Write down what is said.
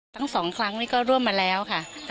ทั้ง๒ครั้งนี้ก็ร่วมมาแล้วค่ะ